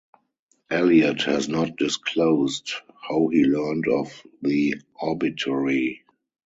Elliott has not disclosed how he learned of the obituary.